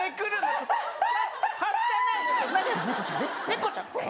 猫ちゃんね。